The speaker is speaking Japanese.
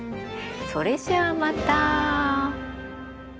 それじゃあまた。